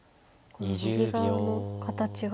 この右側の形が。